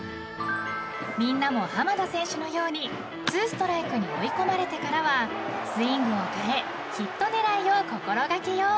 ［みんなも濱田選手のようにツーストライクに追い込まれてからはスイングを変えヒット狙いを心掛けよう］